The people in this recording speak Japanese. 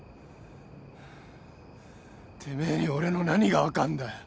てめえに俺の何が分かんだよ。